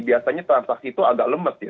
biasanya transaksi itu agak lemet ya